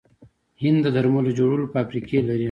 هند د درملو جوړولو فابریکې لري.